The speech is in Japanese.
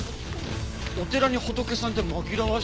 お寺にホトケさんって紛らわしいね。